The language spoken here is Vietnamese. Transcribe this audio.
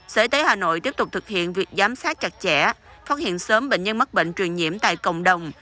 sở y tế hà nội tiếp tục thực hiện việc giám sát chặt chẽ phát hiện sớm bệnh nhân mắc bệnh truyền nhiễm tại cộng đồng